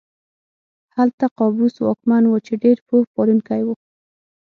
هلته قابوس واکمن و چې ډېر پوه پالونکی و.